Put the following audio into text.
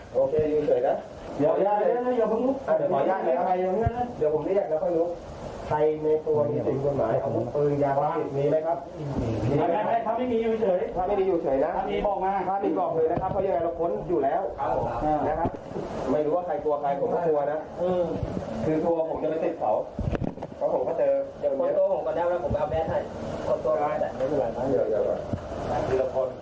ก็เอาแวะให้